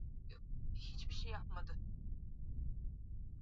ya Kiswahili nchini kabla ya Uhuru ni